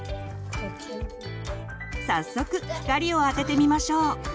早速光を当ててみましょう。